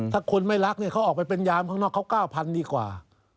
ถ้าคนไม่รักเนี่ยเขาออกไปเป็นยามข้างนอกเขา๙๐๐ดีกว่า